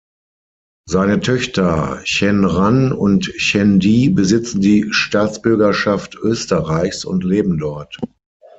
Seine Töchter Chen Ran und Chen Di besitzen die Staatsbürgerschaft Österreichs und leben dort.